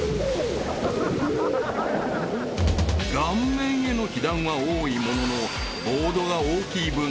［顔面への被弾は多いもののボードが大きい分